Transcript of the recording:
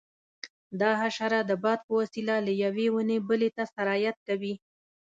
دا حشره د باد په وسیله له یوې ونې بلې ته سرایت کوي.